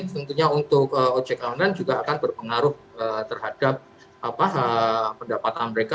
tentunya untuk ojek online juga akan berpengaruh terhadap pendapatan mereka